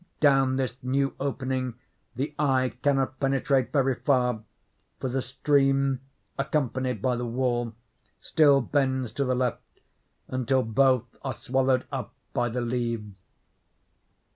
Down this new opening the eye cannot penetrate very far; for the stream, accompanied by the wall, still bends to the left, until both are swallowed up by the leaves.